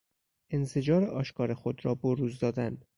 انزجار آشکار خود را بروز دادن